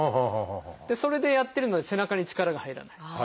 それでやってるので背中に力が入らない。